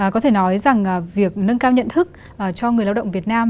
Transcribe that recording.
có thể nói rằng việc nâng cao nhận thức cho người lao động việt nam